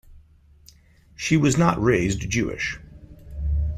She was not raised Jewish.